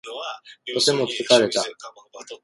とても疲れた